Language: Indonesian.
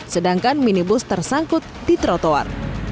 sedangkan minibus tersangkut di trotoar